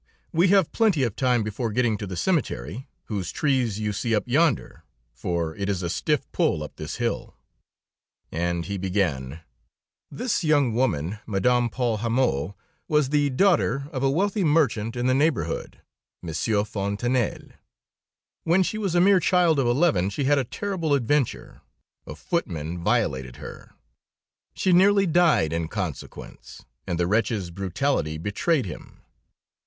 We have plenty of time before getting to the cemetery, whose trees you see up yonder, for it is a stiff pull up this hill." And he began: "This young woman, Madame Paul Hamot, was the daughter of a wealthy merchant in the neighborhood, Monsieur Fontanelle. When she was a mere child of eleven, she had a terrible adventure; a footman violated her. She nearly died, in consequence, and the wretch's brutality betrayed him.